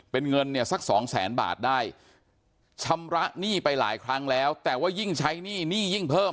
เป็นเงินเนี่ยสักสองแสนบาทได้ชำระหนี้ไปหลายครั้งแล้วแต่ว่ายิ่งใช้หนี้หนี้ยิ่งเพิ่ม